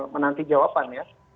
menanti jawaban ya